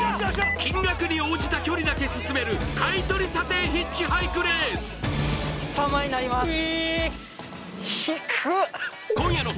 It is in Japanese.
金額に応じた距離だけ進める買い取り査定ヒッチハイクレース３万円になりますえ